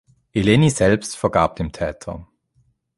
Eleni selbst vergab dem Täter.